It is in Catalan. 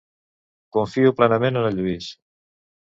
Confio plenament en el Lluís.